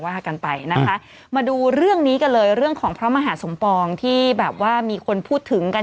ว่ากันไปนะคะมาดูเรื่องนี้กันเลยเรื่องของพระมหาสมปองที่แบบว่ามีคนพูดถึงกัน